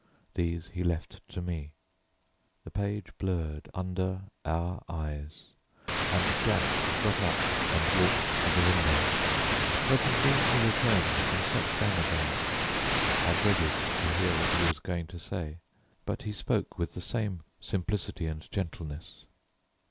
These he left to me. The page blurred under our eyes, and Jack got up and walked to the window. Presently he returned and sat down again. I dreaded to hear what he was going to say, but he spoke with the same simplicity and gentleness.